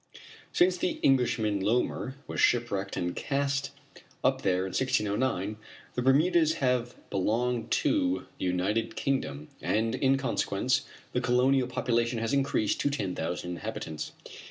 Since the Englishman Lomer was shipwrecked and cast up there in 1609, the Bermudas have belonged to the United Kingdom, and in consequence the colonial population has increased to ten thousand inhabitants.